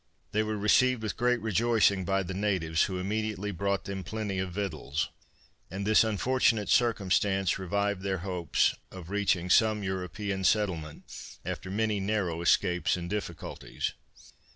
They were received with great rejoicing by the natives, who immediately brought them plenty of victuals. And this fortunate circumstance revived their hopes of reaching some European settlement, after many narrow escapes and difficulties.